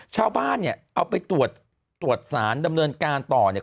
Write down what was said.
ชาวบ้านเนี่ยเอาไปตรวจตรวจสารดำเนินการต่อเนี่ย